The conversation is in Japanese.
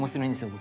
僕。